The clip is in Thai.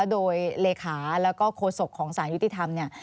โดยเลขาแล้วก็โฆษกของสารยุติธรรมเนี่ย